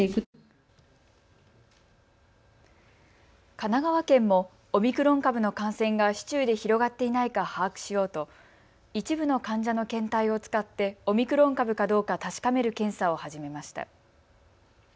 神奈川県もオミクロン株の感染が市中で広がっていないか把握しようと一部の患者の検体を使ってオミクロン株かどうか確かめる検査を始めました。